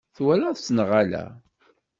Twalaḍ-tt neɣ ala?